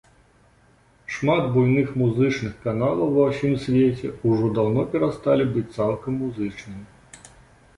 Шмат буйных музычных каналаў ва ўсім свеце ўжо даўно перасталі быць цалкам музычнымі.